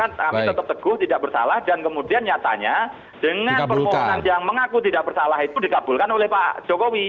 kami tetap teguh tidak bersalah dan kemudian nyatanya dengan permohonan yang mengaku tidak bersalah itu dikabulkan oleh pak jokowi